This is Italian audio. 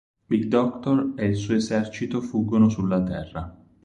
Big Doctor e il suo esercito fuggono sulla Terra.